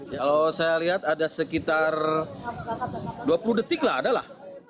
kalau saya lihat ada sekitar dua puluh detik lah ada lah